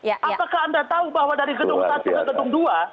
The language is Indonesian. apakah anda tahu bahwa dari gedung satu ke gedung dua